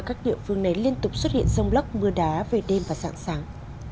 các địa phương này liên tục xuất hiện rông lóc mưa đá về đêm và sẵn sàng